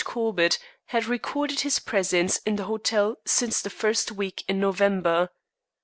Corbett had recorded his presence in the hotel since the first week in November.